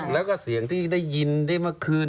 แล้วก็เสียงที่ได้ยินได้เมื่อคืน